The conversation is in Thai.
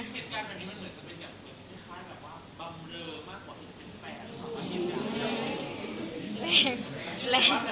นี่คล้ายแบบว่า